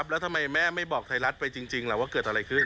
แล้วทำไมแม่ไม่บอกไทยรัฐไปจริงล่ะว่าเกิดอะไรขึ้น